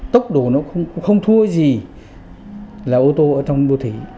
tốc độ nó không thua gì là ô tô ở trong đô thị